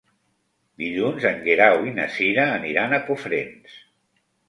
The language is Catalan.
Dilluns en Guerau i na Cira aniran a Cofrents.